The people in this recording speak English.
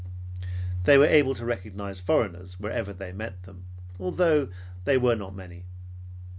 They were able to recognize foreigners wherever they met them, although they were not many.